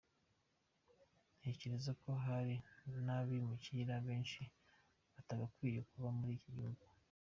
Ntekereza ko hari n’abimukira benshi batagakwiye kuba muri iki gihugu.